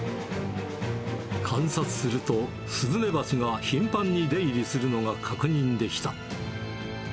観察すると、スズメバチが頻繁に出入りするのが確認できた。